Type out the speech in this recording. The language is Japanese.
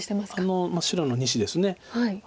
あの白の２子ですね。